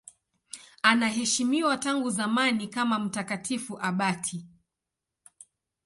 Anaheshimiwa tangu zamani kama mtakatifu abati.